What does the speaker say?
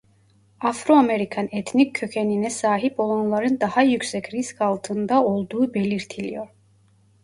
Afro-Amerikan etnik kökenine sahip olanların daha yüksek risk altında olduğu belirtiliyor.